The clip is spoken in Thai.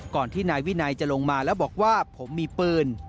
ที่นายวินัยจะลงมาแล้วบอกว่าผมมีปืน